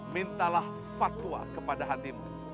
mintalah fatwa kepada hatimu